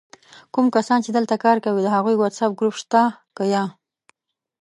کوم کسان چې دلته کار کوي د هغوي وټس آپ ګروپ سته که یا؟!